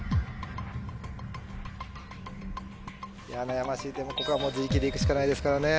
悩ましいでもここは自力で行くしかないですからね。